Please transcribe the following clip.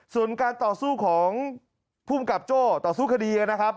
ส่วนการต่อสู้ของภูมิกับโจ้ต่อสู้คดีนะครับ